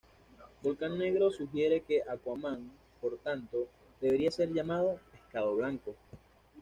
Volcán Negro sugiere que Aquaman, por tanto, debería ser llamado "pescado blanco".